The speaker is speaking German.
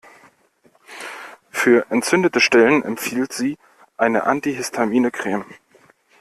Für entzündete Stellen empfiehlt sie eine antihistamine Creme.